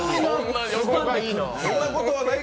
そんなことはないけ